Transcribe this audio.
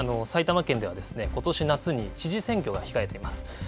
埼玉県では、ことし夏に知事選挙が控えています。